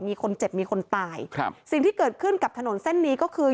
มีคนเจ็บมีคนตายครับสิ่งที่เกิดขึ้นกับถนนเส้นนี้ก็คือ